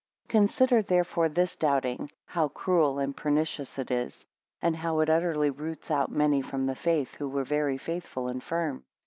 8 Consider therefore this doubting how cruel and pernicious it is; and how it utterly roots out many from the faith, who were very faithful and firm.